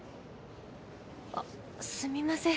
あっすみません